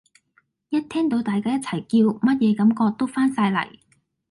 一聽到大家一齊叫，乜野感覺都返晒黎！